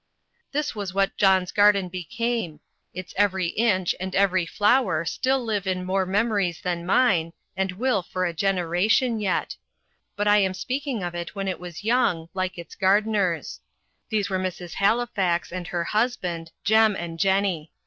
This was what John's garden became; its every inch and every flower still live in more memories than mine, and will for a generation yet; but I am speaking of it when it was young, like its gardeners. These were Mrs. Halifax and her husband, Jem and Jenny.